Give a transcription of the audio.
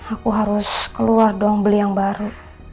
aku harus keluar dong beli yang baru